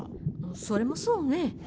それもそうね。